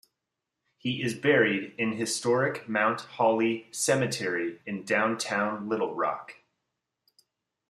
He is buried in historic Mount Holly Cemetery in downtown Little Rock.